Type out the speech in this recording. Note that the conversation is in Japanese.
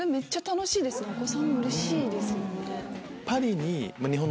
お子さんうれしいですよね。